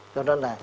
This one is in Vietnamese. cho nên là